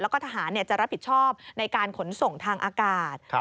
แล้วก็ทหารจะรับผิดชอบในการขนส่งทางอากาศ